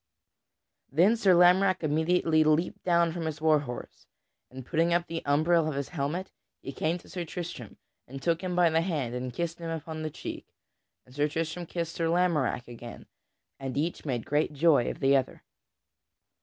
Then Sir Lamorack immediately leaped down from his war horse and putting up the umbril of his helmet, he came to Sir Tristram and took him by the hand and kissed him upon the cheek. And Sir Tristram kissed Sir Lamorack again, and each made great joy of the other.